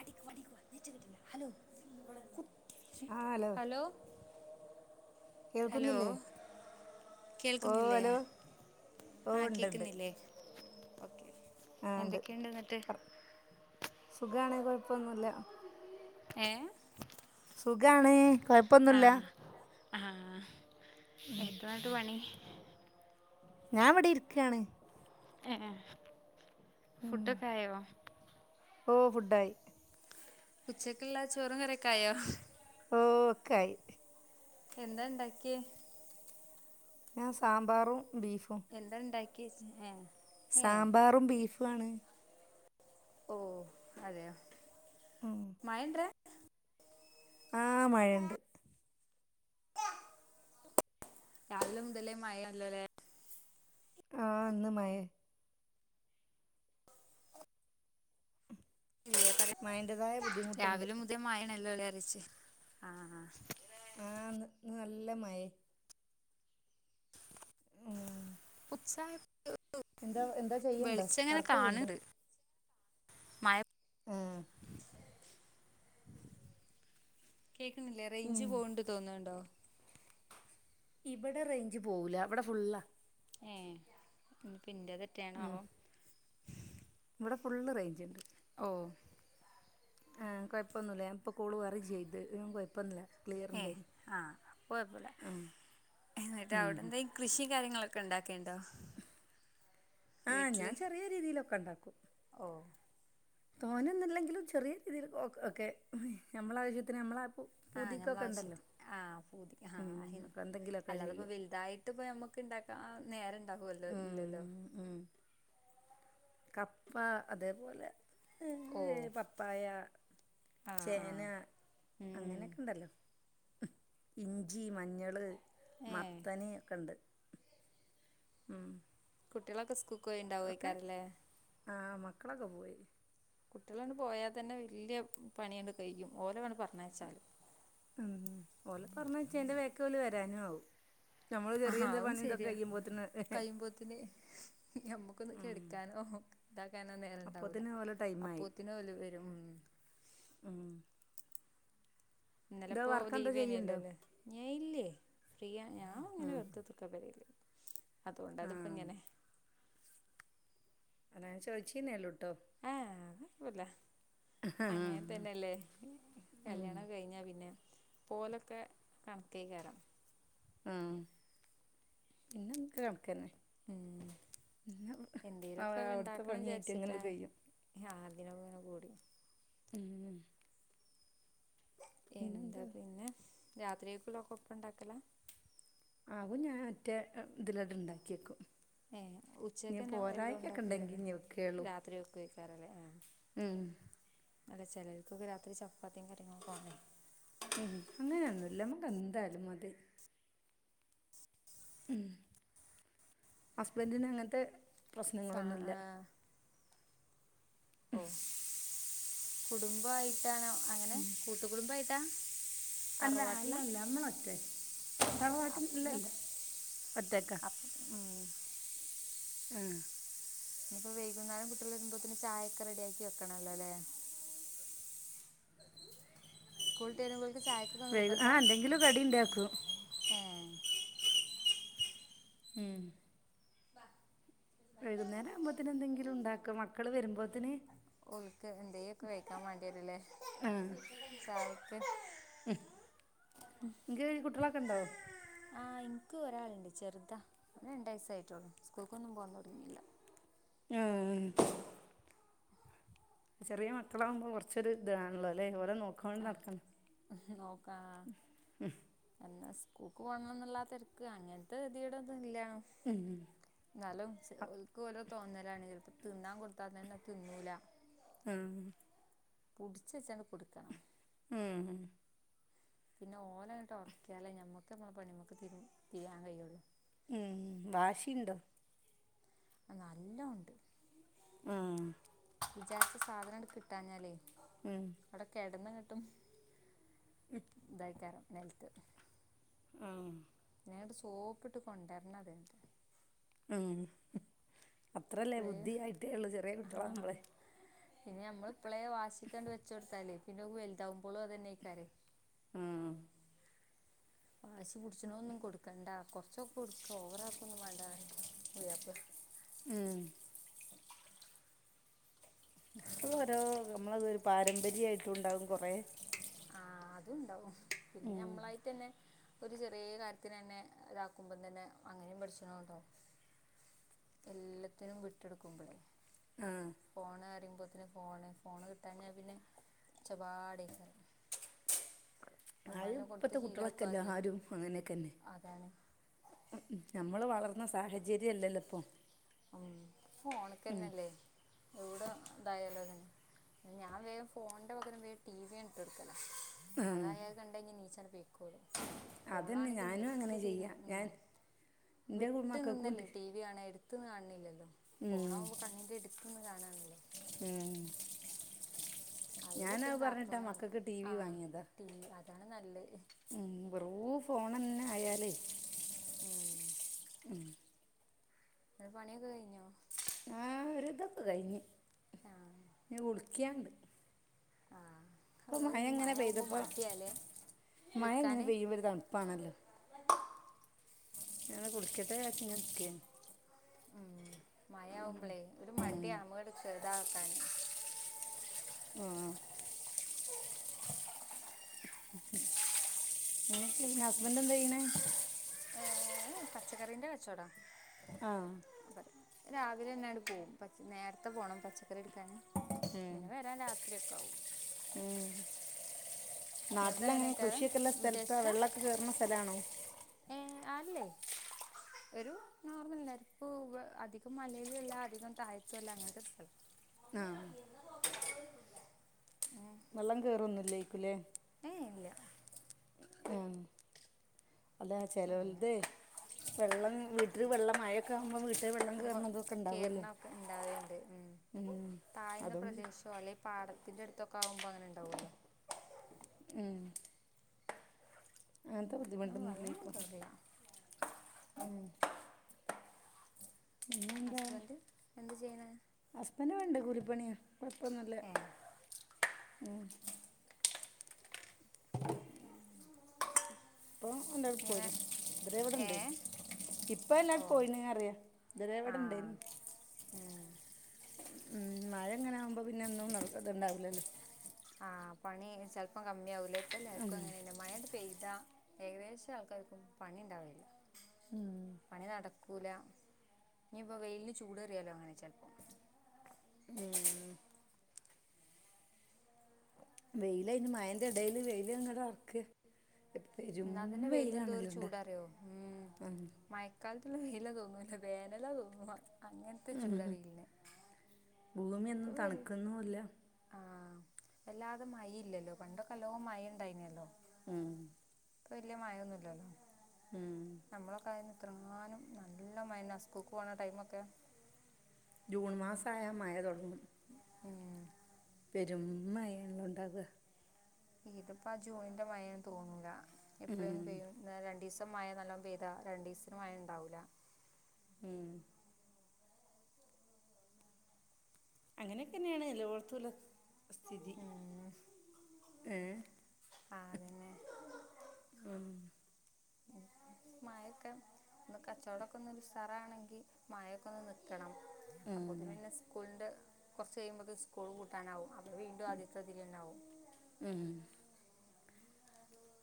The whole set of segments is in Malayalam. അടിക്ക അടിക്കവാ നച്ച കിട്ടില്ല ഹലോ ഹലോ കേൾക്കുന്നില്ലേ ഓ കേൾക്കുന്നില്ലേ അലോ ഓ ആ ഇണ്ട്ണ്ട് കേൾക്കുന്നില്ലേ ഓക്കെ എന്തൊക്കെയുണ്ട് എന്നിട്ട് സുഖണേ കൊഴപ്പൊന്നുമല്ല ഏ ഉുകാണ് ആഹ ആഹ ഉം എത്രട്ട പണി ഞാൻ എവിടെ ഇരിക്കയാണ് ഏ ഫുഡൊക്കെയോ നോമ്പുണ്ടായി ഉച്ചക്കുള്ള ചോറും കറി ഒക്കെ ആയോ? ഓ ഒക്കായി. എന്താ ഇണ്ടാക്കി. ഞാൻ സാമ്പാറും ബീഫും. ക ഏ ഏ സാമ്പാറും ബീഫും ആണ് ഓ അതെയോ ഉം മയണ്ടറ ആ മഴയുണ്ട്. രാവിലെ മുതലേ മാഴ ള ലോ. ആഹ് അന്ന് മഴ ഇ മഴൻ്റെതായ പറയാ ബുദ്ധിമുട്ടുണ്ട് രാവിലെ മഴ ആണല്ലോ എന്ന് ചോദിച. ആ ഇന്ന് നല്ല മഴയോ ഉം ഉച്ച എന്താ എന്താ ചെയ്യണ്ടോ വർക്ക് ചെയ്യണ്ടോ? മാഴ ആഹ കേൾക്കുന്നില്ലേ റേയ്ഞ്ച് ഉം പോകണ്ട് തോന്നുന്നുണ്ടോ? ഇവിടെ റേഞ്ച് പോവുല അവിടെ ഫുുള്ളാ. ഏ ഇ ഉം പിതൊറ്റെയണാവോ? ഇവിടെ ഫുള്ള് റേഞ്ച് ഉണ്ട്. ഓ ആ കൊഴപ്പൊന്നുമില്ല ഇപ്പൊ കൂള കറി ചെയ്ത് കൊഴപ്പൊന്നില്ല ഏ ആഹ് കുഴപ്പമില്ല ആ എന്നിട്ട് ഉം അവിന് കൃഷി കാര്യങ്ങളൊ ആ വീട്ടില് ഞാൻ ചെറിയ രീതിയിലൊക്കെ ഉണ്ടാക്കും. ഓ തോന്നന്നില്ലെങ്കിലും. ചെറിയ രീതിയിൽ ഓക്കെ നമ്മള ആവശ്യത്തിന് നമ്മള ആഹ് ഞമ്മള ആവശ്യത്തി ആഹ് പൂതി ഉം ആഹ് അപ്പൊ എന്തെങ്കിലുമൊക്കെ അല്ലാതെപ്പ ചെയ്യും വലുതായിട്ട് ഇപ്പ നമ്മുക്ക് ഇണ്ടാക്ക നേരം ഉണ്ടകല്ലോ ഇല്ലല്ലോ ഉം ഉം കപ്പ അതേപോലെ ഓ പപ്പായ. ആ ആ ചേന ഉം ഉം അങ്ങനെയൊക്കെണ്ടല്ലോ. ഇഞ്ചി, മഞ്ഞള്, ഏ മത്തൻ, ഒക്കെ ഉണ്ട്. ഉം കുട്ടികളൊക്കെ സ്കൂക്ക് പോയി ഉണ്ടാവോയിക്കാറല്ലേ? ആഹ മക്കളൊക്കെ പോയി. കുട്ടികളാട് പോയാൽ തന്നെ വലിയ പണിയണ്ട് കഴിക്കും. ഓലോണ് പറഞ്ഞ ഉ ഓല പറഞ്ഞയിച്ച എന്റെ വേക്കില്. ആര് വരാന ആവും. നമ്മൾ ആഹ ചെറിയ എന്താ അതും പണി ഇതൊക്കെ ശരിയാ കഴിയുമ്പോത്തിന് കഴിയുമ്പോത്ത നമ്മക്കൊന്ന് ഉം കെടുക്കാനോ ഇതാക്കാന നേരുണ്ടാവൂല അപ്പോത്തിന് ഓലെ ടൈമായി അപ്പത്തിന് വല് വരും. ഉം [unintelligible] ഇന്നലെ എന്താ ഇപ്പോ വർക്കെന്താ ലീവ്നല്ലോ ചെയ്യണ്ടോ അല്ലേ [unintelligible] ഇല്ലേ ഫ്രീ ആ ഞാ ഇങ്ങനെ വെറുതോകുതീരീക്ക പെരേല്. അതുകൊണ്ട് ആ അതിപ്പോ ഇങ്ങനെ അൻ ചൊച്ചീന്ന ഉള്ളൂട്ടോ? ല്ല അങ്ങനെ തന്നെയല്ലേ കല്യാണം കഴിഞ്ഞാൽ പിന്നെ പോലൊക്കെ കണക്ക്എയികരം ഉ പിന്നെ ഒകൊ കണക്കന്നെ. ഉം പിന്നെ എന്തേലൊക്കെ അവിടുത്തെ ഇണ്ടാക്കണം പണി എയിറ്റ് വിചാരിച്ചിട്ടാ എങ്ങനെഅണ്ട് കഴിയും. [unintelligible] [unintelligible] എന്താ പിന്നെന്താ പിന്നെ രാത്രിയൊക്കുള്ള ഒക്കെ ഒപ്പ ഇണ്ടാക്കല ആ ഞാൻ ഒറ്റേ ഇതിലടെ ഉണ്ടാക്കിയക്കും ഏഹ് ഉച്ചക്ക്ന്നെ എല്ലാം ഉണ്ടെങ്കിൽ ഉണ്ടാക്കലല്ലേ ഇനി വെക്കുകയുള്ളൂ രാത്രി ഒക്ക വക്കാറല്ലേ ഉം അല്ല ചിലർക്കൊക്കെ രാത്രി ച ഉ അങ്ങനെയൊന്നുമല്ല നമ്മക്ക് എന്തായാലും മതി ഹസ്ബൻഡന് അങ്ങനത്തെ ഫാ പ്രശ്നങ്ങളൊന്നുമില്ല ഓ കുടുംബമായിട്ടാണോ അങ്ങനെ കൂട്ടുകുടുംബയിട്ടാ അല്ല തർവാട്ടില അല്ലല്ല നമ്മളൊറ്റേ തറവാട്ടിൽ പ്രത്തയേകപ്പന്ന ഇല്ലല്ല ഒറ്റക്കാ അ ഉം ഉം ഇനിപ്പോ വൈകുന്നേരം കുട്ടികൾ ഇരു്പോത്തന്നെ ചായയൊക്കെ റെഡിയാക്കി വെക്കണല്ലോ അല്ലേ [unintelligible] സ്കൂള് വിട്ടുവഴുമ്പോഴതേന്നു ചായക്കൊക്കെ വൈകു നിർബന്ധ ആ എന്തെങ്കിലും കടി ഉണ്ടാക്കും ഏഹ ഉം [unintelligible] വൈകുന്നേരം ആവുമ്പോത്തിന് എന്തെങ്കിലും ഉണ്ടാക്കോ മക്കള് വരുമ്പോത്തിന് ഉക്ക് എന്ത്യ ഒക്കെ വെക്കാ വേണ്ടിരല്ലേ സ ഉ എനിക്ക് കുട്ടികളൊക്കെ ഇണ്ടാവോ സ്ക്ക് ഒരാളുണ്ട് ചെറുതാ രണ്ടയസ ആയിട്ടോളൂ സ്കൂൾക്കൊന്നും പോകൻ തുടങ്ങില്ല ആ ചെറിയ മക്കളാകുമ്പോ കുറച്ചൊരു ഇതാണല്ലോ അല്ലെ ഓര നോക്കണ്ട് നടത്തണം ആഹ് നോക്കാ ഉ കൂക്ക് പോണണം എന്നുള്ള തിരക്ക് അങ്ങനത്തെ ഗതിയുടെ ഒന്നും ഇല്ലാ നാലുംക്ക് തോന്നലാണ് തിണാൻ കൊടുത്താന്നന്ന തിന്നൂല ആഹ് പുടിച്ച വെച്ചണ്ട് കുടുക്കണം ഉം പിന്നെ ഓല ഇങ്ങിട്ട് ഉറക്കാലേ മ്മക്ക്മ്മളെ പണിമുക്ക് തിയാൻ കഴിയുള്ളൂ ഉം വാശിയുണ്ടോ നല്ല ഉണ്ട് ഉം വിചാരിച്ച സാധനങ്ങ്ട്ട് കിട്ടാഞ്ഞാലേ ഉം അവിടെ കെടന്നങ്ങിട്ടും ഇതായിക്കാരം നെൽത്ത് ആ നേ് സോപ്പിട്ട് കൊണ്ടരണ അതറെ ഉം അത്രല്ലേ ഇപ്പളേ ബുദ്ധിയായിട്ടേ ഉള്ളു ചെറിയ ആ കുട്ടികളാ നമ്മളെ പിന്നെ നമ്മള ഇപ്പളെ വാശിക്കാണ്ട് വെച്ച കൊടുത്താലേ പിന്നെ വലുതാവുമ്പോളും അത് തന്നെ ആക്കറ ഉം വാശി പിടിച്ചണ ഒന്നും കൊടുക്കണ്ട കൊറച്ചൊക്കെ കൊടുക്ക ഓവറ ആക്ക ഒന്നും വേണ്ട പോയപ്പ ഉം നമ്മൾ ഓരോ നമ്മളത്രു പാരമ്പര്യയിട്ടും ഉണ്ടാകും കൊറേ ആഹ അതും ഉണ്ടാവും പിന്നെ നമ്മളായിട്ട് തന്നെ ഒരു ചെറിയ കാര്യത്തിന് തന്നെ ഇതാക്കുമ്പം തന്നെ അങ്ങനും പഠിച്ചണോ കേട്ടോ എല്ലാത്തിനും വിട്ടു കൊടുക്കുമ്പോഴേ ആഹ് ഫോണ് കാര്യ അപ്പോത്തന് ഫോണ് ഫോണ് കിട്ടാഞ്ഞഞാൽ പിന്നെ ഉച്ചപാടിക്കാ ആ കൊടുത്ത് ഇപ്പത്തെ ശീലാക്കും കുട്ടികളൊക്കെല്ല ആദ്യം ആരും അങ്ങനെയൊക്കെന്നെ അതാണ് നമ്മള് വളർന്ന സാഹചര്യല്ലല്ലോ ഇപ്പൊ ഉ ഫോണക്കന്നെല്ലേ എവിടെ ഇതായാലോ അല്ലെ ഞാൻ വേഗ ഫോണിന്റെ പകരം വം ടി വി ആണിട്ട് കൊടുക്കല ആഹ് അതായയാത് കണ്ടഴ നീച്ചപ്പും കൂടെ അതന്നെ ഫോണാണെങ്കിൽ ഞാനും അങ്ങനെ നെറ്റ് തീരും ചെയ്യാ ഉം ഞാൻ എൻ്റെ വിട്ടു നിന്നല്ലേ മക്കൾക്കുണ്ട് ടി വി ആണ എ എടുത്തന്ന് കാണണില്ലല്ലോ ഉം ഫോണകുമ്പോ കണ്ണീന്റെ എടുത്തന്ന് കാണാനല്ലോ ഞാനാ പറഞ്ഞിട്ടാ കാർട്ടൂണാണ് മക്കൾക്ക് ടി ആ വി വാങ്ങിയതാ ടി വി അതാണ് നല്ല ഉം ബെറൂ ഫോൺന്നെ ആയാലേ ഉം ഉ അ പണിയൊക്കെ കഴിഞ്ഞോ ആ ഒരിതൊക്കെ കഴിഞ്ഞു ആ ഇ കുളിക്കിയണ്ട് ആ അപ്പൊ അത് മഴ ഈ എങ്ങനെ ആകുമ്പോൾ പെയ്തപ്പോ മടിയാലേ മഴ എങ്ങനെ കുളിക്കാൻ പെയ്യുമ്പോ ഒരു തണുപ്പാണല്ലോ ഞനെ കുളിക്കട്ടെച്ചങ്ങ കട്ട ഉ മഴവുമ്പളേ ഒരു ഉം മടിയമ്മട് ചെുതാ വക്ക ആ നിനക്ക് ഹസ്ബൻറ് എന്ത ചെയനെ പച്ചക്കറീൻ്റെ കെച്ചോടാ ആ രാവിലെ തന്നെട് പോകവും പ നേരത്തെ പോണം പച്ചക്കറി എടുക്കൻ ഉം പിന്നെ വരാൻ രാത്രി ഒക്കെ ആാവും എന്നത അങ്ങനെയ നാട്ടിലങ്ങനെ കറ കൃഷിയൊക്കെള്ള സ്ഥലത്താ വിദേശത്താ വെള്ളൊക്കെ കേറുന്ന സ്ഥലാണോ ഏ ആല്ലേ [unintelligible] ഒരു നോർമൽ നേര ഇപ്പ അധികം മലയില ഇല്ല അധികം താഴത്തല്ല അങ്ങനത്തെ ഒരു സ്ഥലം ആഹ വെള്ളം കേയറൊന്നുംില്ലേക്കൂലേ ഏ ഇല്ല ഉം അല്ലെ പിന്നെ ചെലോൽത് വെള്ളം വീട്ടില് വെള്ളം മഴൊക്കെ ആവുമ്പോ വീ അപ്പൊ കേര്ണ ഒക്കെ ഇണ്ടാവൽ ഇണ്ട് ഉം താഴ്ന്ന അതുകൊണ്ട് പ്രദേശോ അല്ലെ പാടത്തിന്റടുത്തൊക്കെ ആവുമ്പോ അങ്ങനെ ഇണ്ടാവുവല്ലോ ഉം അങ്ങൻത ഉം, ബുദ്ധിമുട്ടൊന്നുല്ല്യ വെള്ളമൊന്നും ഇപ്പം കയറില്ല പിന്നെന്താ ഹസ്ബൻഡ് എന്ത് ചെയ്യ്ണ് ഹസ്ബൻഡ് ഇവിടെണ്ട് കൂലിപ്പണിയാ കൊഴപ്പൊന്നുല്ല്യ ഇപ്പൊ ഓന്റോടെ ഇങ്ങനെ പോയീണ് ഇതരെ ഏ ബവടെണ്ടേനി ഇപ്പൊ ഓ എല്ലാരും പോയിണ് അറിയ ഇതരെ ആ ഇവ്ടെണ്ടേനി ഉം. ഉം മഴ ഇങ്ങനാവുമ്പോ പിന്നെ ഒന്നും നടക്കതിണ്ടാവൂലല്ലോ ആ പണി ചെൽപ്പം കമ്മിയാകുല്ലേ ഇപ്പ ഉം എല്ലാര്ക്കും അങ്ങനെന്നെ മഴാണ്ട് പെയ്താ ഏകദേശം ആൾക്കാർക്കും പണി ഇണ്ടാവൽല്ല ഉം പണി നട ക്കൂല ഇനി ഇപ്പൊ വെയിലിന് ചൂടേറിയാലും അങ്ങനെ ചെൽപ്പം വെയില് അയ്ന് മഴന്റെടേല് വെയില്ങ്ങട്ടാർക്ക ഇന്നാ തന്നെ വെയില്നെന്തോര് ചൂടാറിയോ ഉം ഉം മഴക്കാൽ ള്ള വെയിലാ തോന്നൂല വേനലാ തോന്നും അങ്ങൻത്തെ ചൂടാ വെയിലിന് ഭൂമിയൊന്നും ഇപ്പോൾ വെല്ല തണുക്കുന്നൂല്ല ആഹ് വല്ലാതെ മഴില്ലല്ലോ പണ്ടൊക്കല്ലോം മഴണ്ടായീനല്ലോ ഉം ഇപ്പ വല്ല്യ മഴൊന്നുല്ലല്ലോ ഉം നമ്മളൊക്കായന്ന് എത്രങ്ങാനും നല്ല മഴണ്ടാകും സ്കൂൾക്കോണ ടൈമൊക്കെ ജൂൺ മാസായ മഴ തൊട്ങ്ങും ഉം പെരുംമ്മഴേണല്ലോ ഇണ്ടാവ ഇതിപ്പാ ജൂണിന്റെ മഴയാന്ന് തോന്നൂല്ല ഉം എപ്പളേയും പെയ്യും ന്നാ രണ്ടീസം മഴ നല്ലോണം പെയ്താ രണ്ടീസ്ത്ത്ന് മഴ ഇണ്ടാവൂല്ല ഉം അങ്ങനെക്കെന്നെയാണ് എല്ലോട്ത്തുള്ള സ്ഥിതി. ഏ ആ അതെന്നെ ഉം മഴൊക്കെ ഒന്ന് കച്ചോടക്കൊന്നൊര് ഉസാറാകണെങ്കി മഴെക്കൊന്ന് നിക്കണം ഉം അപ്പോത്തിന് പിന്നെ സ്കൂൾന്റെ കൊർച്ച് കഴുമ്പോത്ത് സ്കൂൾ പൂട്ടാനാകും അ വീണ്ടും ആദ്യത്തതിലെന്നാവും. ഉം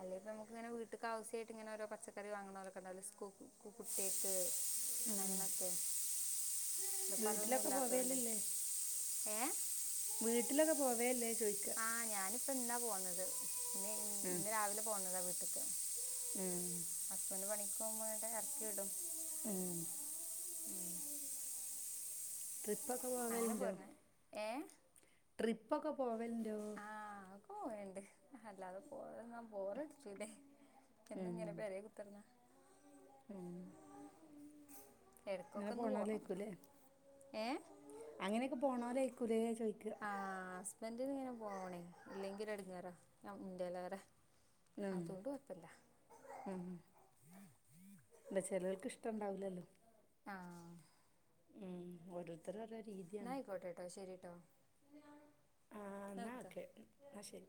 അല്ലേപ്പം നമുക്കിങ്ങനെ വീട്ട്ക്ക് ആവസ്യായിട്ട് ഇങ്ങനെ ഓരോ പച്ചക്കറി വാങ്ങ്ണോലൊക്കെണ്ടാവൂലെ സ്കൂ കുട്ട്യാക്ക് ഉം അങ്ങനൊക്കെ ഇപ്പതൊന്നും വീട്ടിലൊക്കെ ഇല്ലാത്തോണ്ട്. പോവേലില്ലേ ഏ വീട്ടിലൊക്കെ പോവേൽല്ലേ ആഹ് ഞാനിപ്പം ഇന്നാ പോന്നത് ഇന്ന് ഉം ഇന്ന് രാവിലെ പോന്നതാ വീട്ട്ക്ക് ഉം അച്ഛന് പണിക്കോവുമ്പോ ഇവ്ടെ എർക്കി വിടും ഉം ഉം ട്രിപ്പൊക്കെ അങ്ങനെ പോവല്ണ്ടോ? പോരണേ ഏ ട്രിപ്പൊക്കെ പോവൽണ്ടോ? ട്രിപ്പ്‌ പോവൽണ്ട് അല്ലാതെ പോവാതെന്നാൽ ബോറട്ച്ചൂല്ലെ ഉം എന്നുങ്ങനെ പെരെ കുത്തിർന്നാ ഉം അങ്ങനെ എട്ക്കൊക്കൊന്ന് പോണം. പോണോലായിക്കൂലേ ഏ അങ്ങനെയൊക്കെ പോണോലായിക്കൂലേ ചോയിക്കാ ആഹ് ഹസ്ബന്റിന് ഇങ്ങനെ പോണേ. ഇല്ലെങ്കി ഒരെട്ങ്ങേറാ ഞം ഇന്റേലേറെ ആഹ് ആ ന്റ ചെലോൽക്ക് ഇഷ്ട്ടണ്ടാവൂല്ലല്ലോ ആഹ് ഉം ഓരോര്ത്തര രെ ന്നായിക്കോട്ടട്ടൊ ശരിട്ടോ ആഹ് എന്നാ ന്നാ വെക്കാ ഓക്കെ ന്നാ ശരി